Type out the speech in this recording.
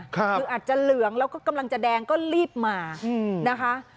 คืออาจจะเหลืองแล้วก็กำลังจะแดงก็รีบมานะคะ